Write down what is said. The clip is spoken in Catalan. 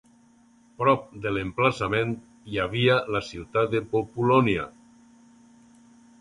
Prop de l'emplaçament hi havia la ciutat de Populònia.